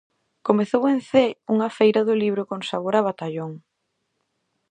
Comezou en Cee unha feira do libro con sabor a batallón.